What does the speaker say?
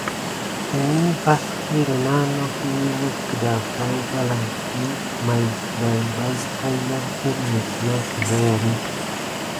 Midi vas kis nina nokt miwuk a valankila may kiban pay yanki temé kina sisayan.